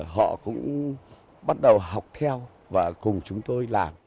họ cũng bắt đầu học theo và cùng chúng tôi làm